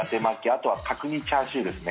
あとは角煮チャーシューですね。